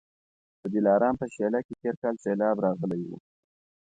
د دلارام په شېله کي تېر کال سېلاب راغلی و